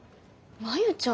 真夕ちゃん。